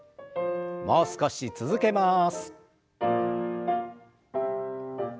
もう少し続けます。